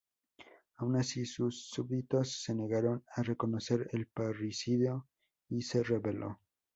Aun así, sus súbditos se negaron a reconocer el parricidio y se rebeló.